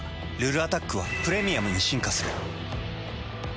「ルルアタック」は「プレミアム」に進化する。